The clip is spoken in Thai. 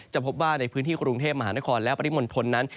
พบว่าในพื้นที่กรุงเทพมหานครและปริมณฑลนั้น